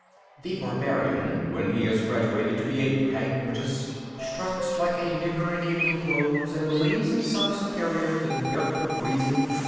The Barbarian, when he has graduated to be a "pragmatist," struts like a nigger in evening clothes, and believes himself superior to the gift of reason, etc.